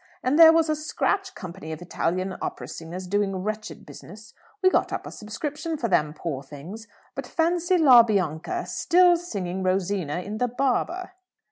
And there was a scratch company of Italian opera singers doing wretched business. We got up a subscription for them, poor things. But fancy 'La Bianca' still singing Rosina in the 'Barber!'"